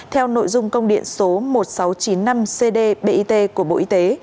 theo nội dung công điện số một nghìn sáu trăm chín mươi năm cdbit của bộ y tế